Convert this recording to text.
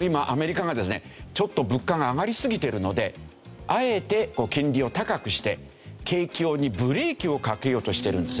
今アメリカがですねちょっと物価が上がりすぎてるのであえて金利を高くして景況にブレーキをかけようとしてるんですね。